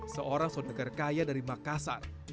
seorang saudara kaya dari makassar